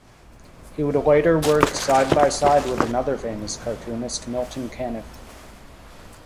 He would later work side-by-side with another famous cartoonist, Milton Caniff.